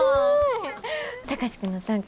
貴司君の短歌